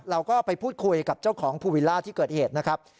เราก็ไปพูดคุยกับเจ้าของภูวิลล่าที่เกิดเหตุนะครับ